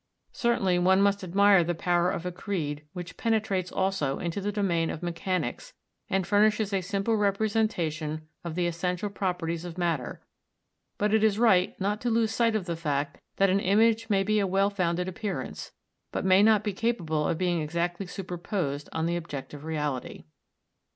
Certainly one must admire the power of a creed which penetrates also into the domain of mechanics and furnishes a simple representation of the essential properties of matter; but it is right not to lose sight of the fact that an image may be a well founded appearance, but may not be capable of being exactly superposed on the objective reality.